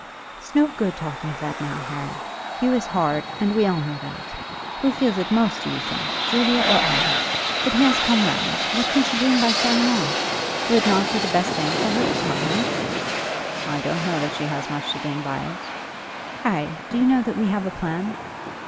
"It's no good talking of that now, Harry. Hugh is hard, and we all know that. Who feels it most, do you think; Julia or I? But as he has come round, what can she gain by standing off? Will it not be the best thing for her to come here?" "I don't know that she has much to gain by it." "Harry, do you know that we have a plan?"